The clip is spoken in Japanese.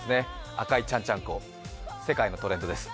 赤いちゃんちゃんこ、世界のトレンドです。